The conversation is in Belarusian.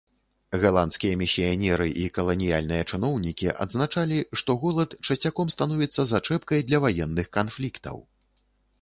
Галандскія місіянеры і каланіяльныя чыноўнікі адзначалі, што голад часцяком становіцца зачэпкай для ваенных канфліктаў.